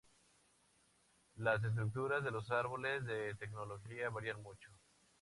Las estructuras de los árboles de tecnología varían mucho.